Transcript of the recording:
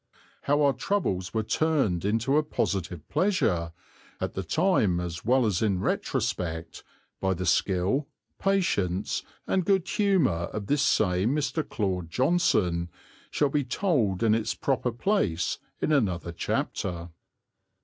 How our troubles were turned into a positive pleasure, at the time as well as in retrospect, by the skill, patience, and good humour of this same Mr. Claude Johnson, shall be told in its proper place in another chapter.